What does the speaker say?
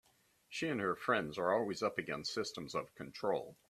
She and her friends are always up against systems of control.